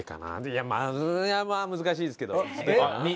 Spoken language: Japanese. いやまあ難しいですけど。